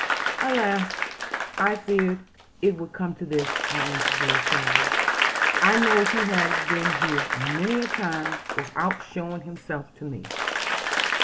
'Alas, I feared it would come to this,' I answered very sadly; 'I know he has been here many a time, without showing himself to me.